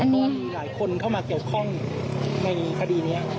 มีหลายคนเข้ามาเกี่ยวข้องในคดีนี้